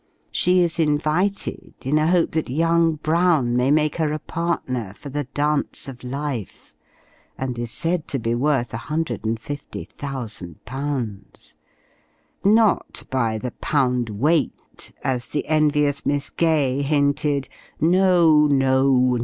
She is invited, in a hope that young Brown may make her a partner, for the dance of life; and is said to be worth £150,000 not by the pound weight, as the envious Miss Gay hinted. No! No!